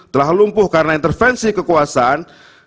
telah lumpuh karena intervensi kekuasaan